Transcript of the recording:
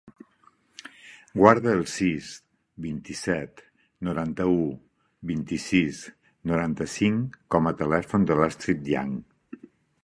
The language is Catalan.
Guarda el sis, vint-i-set, noranta-u, vint-i-sis, noranta-cinc com a telèfon de l'Astrid Yang.